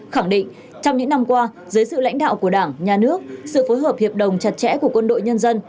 khẳng định trong những năm qua dưới sự lãnh đạo của đảng nhà nước sự phối hợp hiệp đồng chặt chẽ của quân đội nhân dân